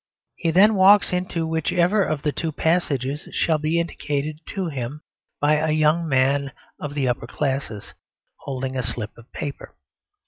He then walks into whichever of the two passages shall be indicated to him by a young man of the upper classes, holding a slip of paper.